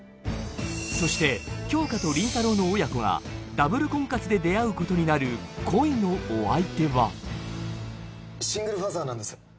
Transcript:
そして杏花と林太郎の親子がダブル婚活で出会うことになるシングルファーザーなんです